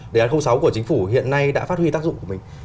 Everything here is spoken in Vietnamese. đề án sáu của chính phủ hiện nay đã phát huy tác dụng của mình